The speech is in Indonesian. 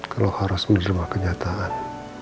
kalau harus menerima kenyataan